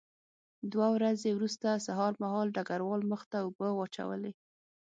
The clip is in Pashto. دوه ورځې وروسته سهار مهال ډګروال مخ ته اوبه واچولې